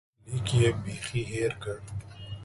لیک یې بیخي هېر کړ.